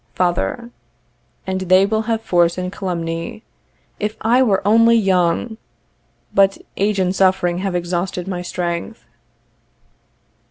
Father. And they will have force and calumny. If I were only young! But age and suffering have exhausted my strength.